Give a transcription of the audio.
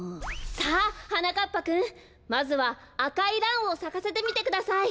さあはなかっぱくんまずはあかいランをさかせてみてください。